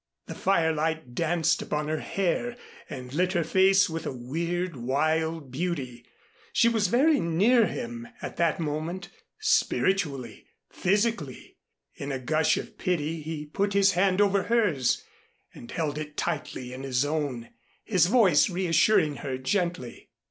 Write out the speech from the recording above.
The firelight danced upon her hair and lit her face with a weird, wild beauty. She was very near him at that moment spiritually physically. In a gush of pity he put his hand over hers and held it tightly in his own, his voice reassuring her gently.